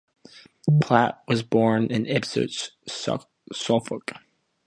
Platt was born in Ipswich, Suffolk.